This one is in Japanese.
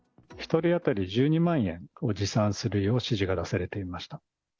１人当たり１２万円を持参するよう指示が出されていました。